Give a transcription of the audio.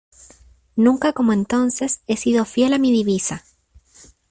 nunca como entonces he sido fiel a mi divisa: